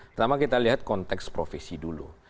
pertama kita lihat konteks profesi dulu